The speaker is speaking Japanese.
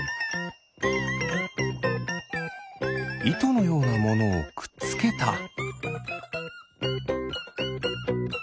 いとのようなものをくっつけた。